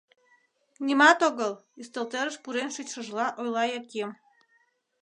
— Нимат огыл, — ӱстелтӧрыш пурен шичшыжла ойла Яким